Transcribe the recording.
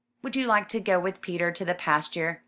''Would you like to go with Peter to the pasture?''